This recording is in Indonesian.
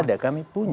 ada kami punya